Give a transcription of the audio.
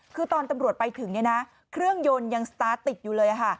คือตอนตำรวจไปถึงเครื่องยนต์ยังสตาร์ทติดอยู่เลย